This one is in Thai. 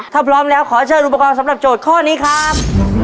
ถ้าพร้อมแล้วขอเชิญอุปกรณ์สำหรับโจทย์ข้อนี้ครับ